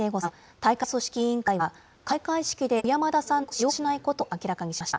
大会組織委員会は、開会式で小山田さんの曲を使用しないことを明らかにしました。